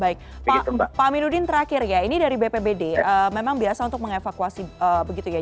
baik pak myruddin terakhir ya ini dari bpbd memang biasa untuk mengevakuasi begitu ya jika ada korban korban mencana